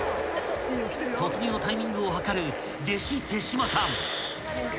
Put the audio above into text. ［突入のタイミングを計る弟子手島さん］